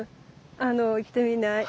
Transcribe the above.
あの行ってみない？